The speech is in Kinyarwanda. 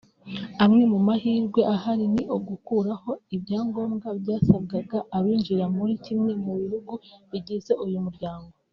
Amwe mu mahirwe ahari ni ugukuraho ibyangombwa byasabwaga abinjira muri kimwe mu bihugu bigize uyu muryango